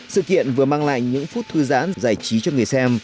sự kiện vừa mang lại những phút thư giãn giải trí cho người xem